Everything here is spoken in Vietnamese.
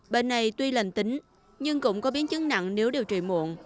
bệnh này tuy lành tính nhưng cũng có biến chứng nặng nếu điều trị muộn